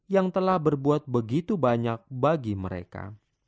yang telah berbuat begitu banyak bagi mereka